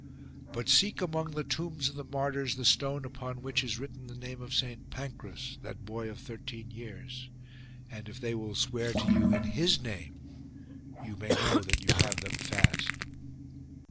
But seek among the tombs of the martyrs the stone upon which is written the name of St Pancras, that boy of thirteen years ; and if they will swear to you in his name you may know that you have them fast."